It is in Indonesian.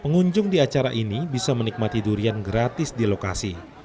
pengunjung di acara ini bisa menikmati durian gratis di lokasi